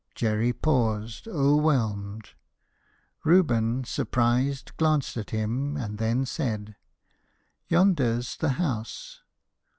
Jerry paused, o'erwhelmed. Reuben, surprised, glanced at him, and then said, "Yonder's the house."